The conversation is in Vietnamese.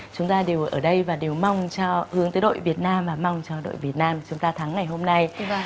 chúng ta đều ở đây và đều mong cho hướng tới đội việt nam và mong cho đội việt nam của chúng ta thắng ngày hôm nay